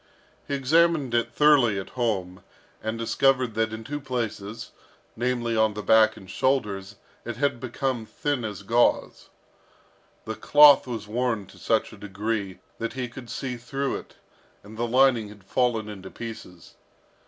He examined it thoroughly at home, and discovered that in two places, namely, on the back and shoulders, it had become thin as gauze. The cloth was worn to such a degree that he could see through it, and the lining had fallen into pieces.